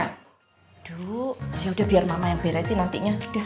aduh yaudah biar mama yang beresin nantinya